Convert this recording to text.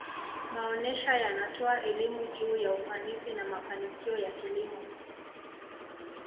maonesha yanatoa elimu juu ya ufanisi na mafanikio ya kilimo